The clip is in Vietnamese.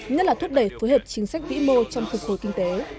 nhất là thúc đẩy phối hợp chính sách vĩ mô trong phục hồi kinh tế